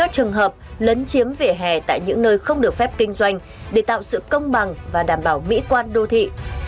trường hợp lấn chiếm vỉa hè tại những nơi không được phép kinh doanh để tạo sự công bằng và đảm bảo mỹ quan đô thị